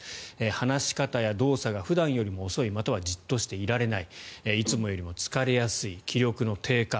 話し方や動作が普段より遅いまたはじっとしていられないいつもよりも疲れやすい気力の低下。